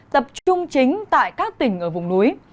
tập trung chính tại các tỉnh ở vùng núi